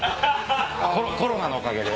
コロナのおかげで。